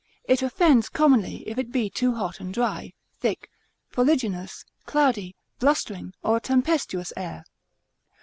It offends commonly if it be too hot and dry, thick, fuliginous, cloudy, blustering, or a tempestuous air.